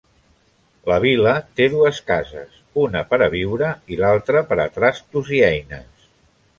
La vil·la té dues cases: una per a viure i l'altra per a trastos i eines.